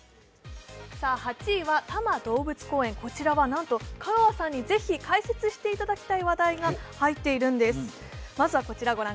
８位は多摩動物公園、こちらはなんと香川さんにぜひ解説していただきたい話題が入っているんです。